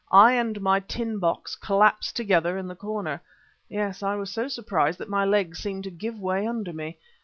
I and my tin box collapsed together in the corner. Yes, I was so surprised that my legs seemed to give way under me.